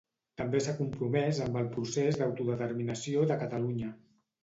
També s'ha compromès amb el procés d'autodeterminació de Catalunya.